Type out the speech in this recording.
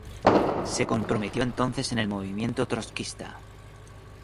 Se comprometió entonces en el movimiento trotskista.